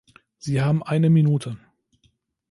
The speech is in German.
Sie haben eine Minute.